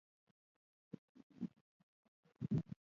• ته زما د ذهن ښکلی تصویر یې.